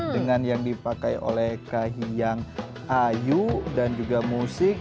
dengan yang dipakai oleh kahiyang ayu dan juga musik